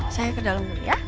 saya ke dalam dulu ya